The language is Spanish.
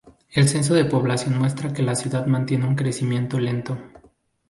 El censo de población muestra que la ciudad mantiene un crecimiento lento.